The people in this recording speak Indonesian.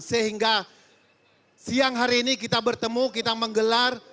sehingga siang hari ini kita bertemu kita menggelar